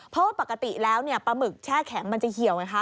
เพราะว่าปกติแล้วปลาหมึกแช่แข็งมันจะเหี่ยวไงคะ